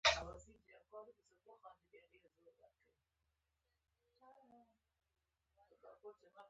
لوګارتمي مرحله یا لوګ فیز دویم پړاو دی.